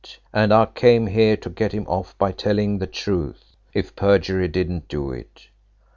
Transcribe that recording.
And I came here to get him off by telling the truth if perjury didn't do it.